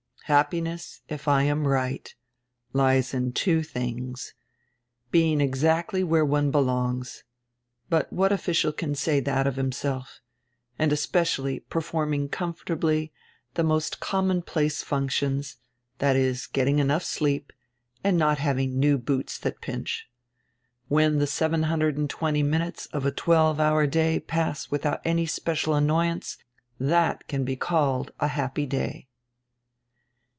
"Happiness, if I am right, lies in two tilings: being exacdy where one belongs — but what official can say diat of himself? — and, especially, performing comfortably die most commonplace functions, diat is, getting enough sleep and not having new boots diat pinch. When die 720 minutes of a twelve hour day pass widiout any special annoyance diat can be called a happy day."